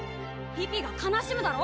ピピが悲しむだろ！